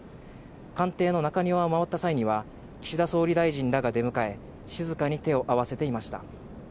鑑定の中庭を回った際には、岸田総理大臣らが出迎え、静かに手を合わせていました。